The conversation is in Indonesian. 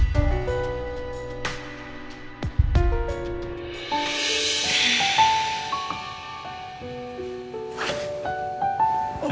sampai jumpa lagi